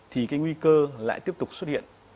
thì cái nguy cơ lại tiếp tục xuất hiện